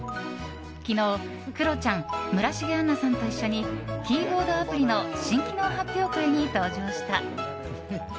昨日、クロちゃん村重杏奈さんと一緒にキーボードアプリの新機能発表会に登場した。